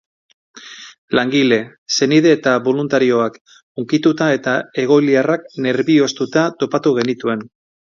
Langile, senide eta boluntarioak, hunkituta eta egoliarrak nerbiostuta topatu genituen.